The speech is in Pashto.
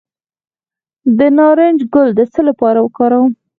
د نارنج ګل د څه لپاره وکاروم؟